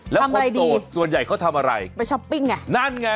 แล้วคนโดดส่วนใหญ่เขาทำอะไรไม่ช้อปปิ้งไงนั่นไง